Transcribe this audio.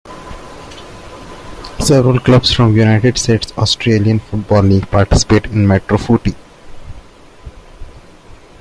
Several clubs from the United States Australian Football League participate in Metro Footy.